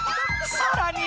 さらに！